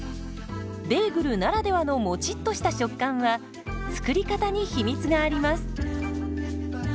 ベーグルならではのもちっとした食感は作り方に秘密があります。